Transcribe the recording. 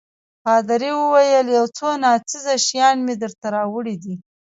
پادري وویل: یو څو ناڅېزه شیان مې درته راوړي دي.